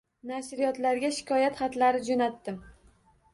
Nashriyotlarga shikoyat xatlari jo’natdim.